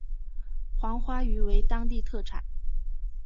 黄花鱼为当地特产。